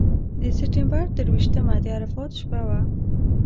د سپټمبر درویشتمه د عرفات شپه وه.